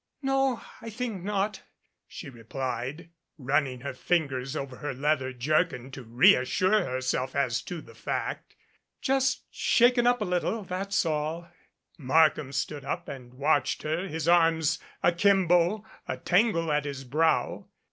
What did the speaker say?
"No, I think not," she replied, running her fingers over her leather jerkin to reassure herself as to the fact. "Just shaken up a little that's all." Markham stood up and watched her, his arms a kimbo, a tangle at his brow.